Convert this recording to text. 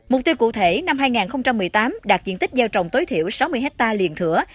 mục tiêu cụ thể năm hai nghìn một mươi tám đạt diện tích gieo trồng tối thiểu sáu mươi hectare liền thửa